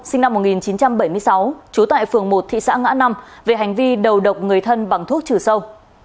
sinh năm một nghìn chín trăm bảy mươi sáu trú tại phường một thị xã ngã năm về hành vi đầu độc người thân bằng thuốc trừ sâu